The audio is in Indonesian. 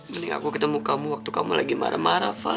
mendingan aku ketemu kamu waktu kamu lagi marah marah fa